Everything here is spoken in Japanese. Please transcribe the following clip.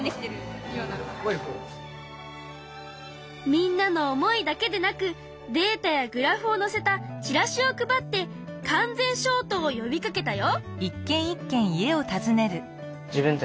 みんなの思いだけでなくデータやグラフをのせたチラシを配って完全消灯を呼びかけたよ。